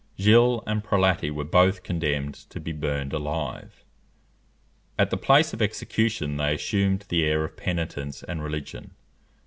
Gilles and Prelati were both condemned to be burned alive. At the place of execution they assumed the air of penitence and religion.